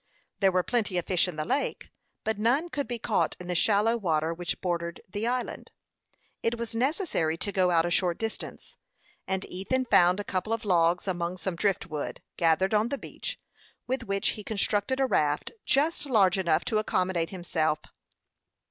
There were plenty of fish in the lake, but none could be caught in the shallow water which bordered the island. It was necessary to go out a short distance, and Ethan found a couple of logs among some drift wood, gathered on the beach, with which he constructed a raft, just large enough to accommodate himself.